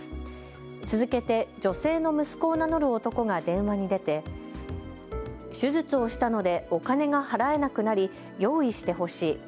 続けて女性の息子を名乗る男が電話に出て手術をしたのでお金が払えなくなり用意してほしい。